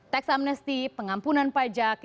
tax amnesty pengampunan pajak